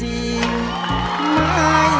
น้ำ